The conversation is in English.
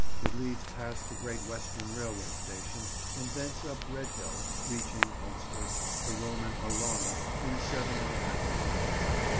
It leads past the Great Western Railway station, and thence up Red Hill, reaching Alcester, the Roman Alauna, in seven and a half miles.